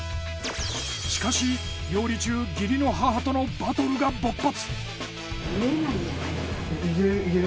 しかし料理中義理の母とのバトルが勃発。